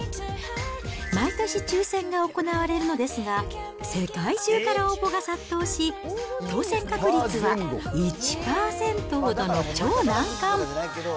毎年抽せんが行われるのですが、世界中から応募が殺到し、当せん確率は１％ほどの超難関。